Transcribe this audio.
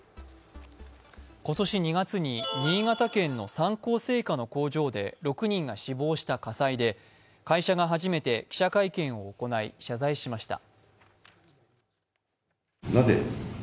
今年２月に新潟県の三幸製菓の工場で６人が死亡した火災で、会社が初めて記者会見を行い謝罪しました。